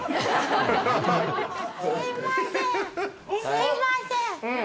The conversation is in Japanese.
すいません。